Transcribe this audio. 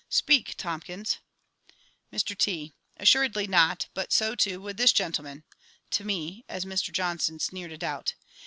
Speak, TOMKINS! Mr T. Assuredly not; but so, too, would this gentleman. (_To me, as ~Mr JOHNSON~ sneered a doubt.